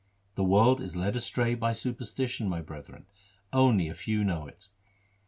The world is led astray by superstition, my brethren ; only a few know it.